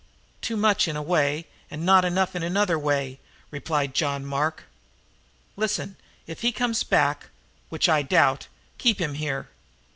"Too much in a way and not enough in another way," replied John Mark. "Listen, if he comes back, which I doubt, keep him here.